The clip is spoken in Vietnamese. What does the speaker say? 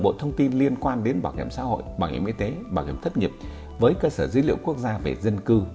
bộ thông tin liên quan đến bảo hiểm xã hội bảo hiểm y tế bảo hiểm thất nghiệp với cơ sở dữ liệu quốc gia về dân cư